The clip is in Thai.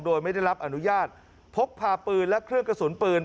โดยไม่ได้รับอนุญาตพกพาปืนและเครื่องกระสุนปืน